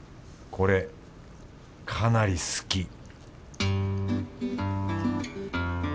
これかなり好き